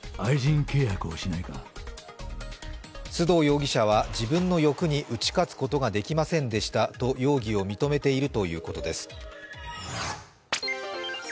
須藤容疑者は、自分の欲に打ち勝つことが出来ませんでしたと容疑を認めているということです。